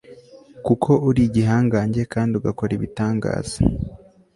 kuko uri igihangange, kandi ugakora ibitangaza